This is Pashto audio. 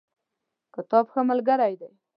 کتاب ښه ملګری دی